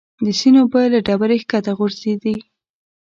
د سیند اوبه له ډبرې ښکته غورځېدې.